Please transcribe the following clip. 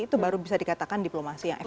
itu baru bisa dikatakan diplomasi yang efektif